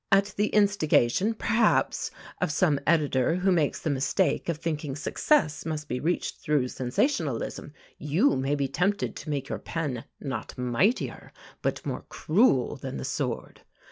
At the instigation, perhaps, of some editor who makes the mistake of thinking success must be reached through sensationalism, you may be tempted to make your pen, not mightier, but more cruel than the sword.